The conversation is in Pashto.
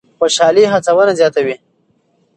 خوشالي هڅونه زیاتوي.